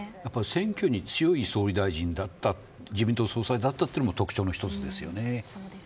選挙に強い総理大臣だったと自民党総裁だったというのも一つの特徴です。